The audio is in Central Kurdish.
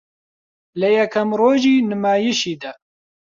لە یەکەم رۆژی نمایشیدا